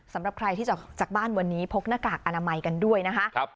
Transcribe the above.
สำหรับใครที่จะจากบ้านวันนี้พกหน้ากากอนามัยกันด้วยนะคะ